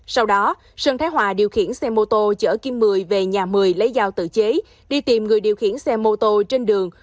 sau đó sơn thái hòa điều khiển xe mô tô chở kim mười về nhà mười lấy dao tự chế đi tìm người điều khiển xe mô tô trên đường